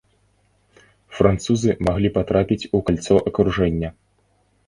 Французы маглі патрапіць у кальцо акружэння.